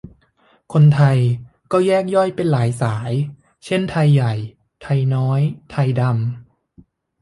คนไทย ก็แยกย่อยเป็นหลายสาย เช่นไทยใหญ่ ไทยน้อย ไทยดำ